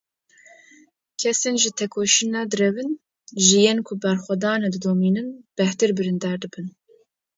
Kesên ji têkoşînê direvin, ji yên ku berxwedanê didomînin bêhtir birîndar dibin.